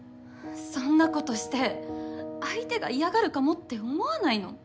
そんなことして相手が嫌がるかもって思わないの？